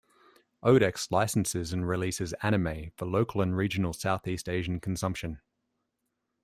Odex licenses and releases "anime" for local and regional Southeast Asian consumption.